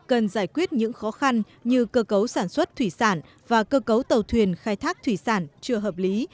cần giải quyết những khó khăn như cơ cấu sản xuất thủy sản và cơ cấu tàu thuyền khai thác thủy sản chưa hợp lý